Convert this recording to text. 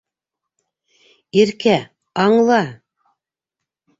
Иркә, аңла...